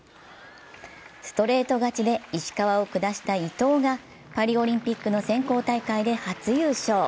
ストレート勝ちで石川を下した伊藤がパリオリンピックの選考大会で初優勝。